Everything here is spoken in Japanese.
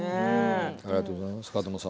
ありがとうございます角野さん。